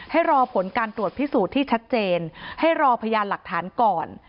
ให้รอผลการตรวจพิสูจน์ที่ชัดเจนให้รอพยานหลักฐานก่อน